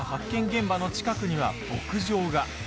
現場の近くには牧場が。